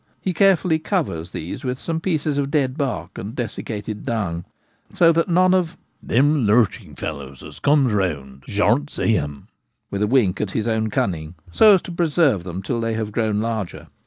He carefully covers these with some pieces of dead bark and desiccated dung, so that none of 'them lurching fellows as comes Oak Crops. 59 round shan't see 'em' — with a wink at his own cunning — so as to preserve them till they have grown larger.